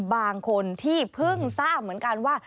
บางคนที่เพิ่งทราบเหมือนกันว่า